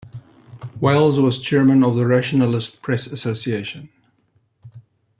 Wells was Chairman of the Rationalist Press Association.